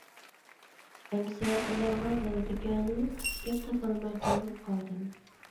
-ئەمىسە ئۇلارغا بولىدىكەنۇ؟ .. گەپ تاپالماي تۇرۇپ قالدىم.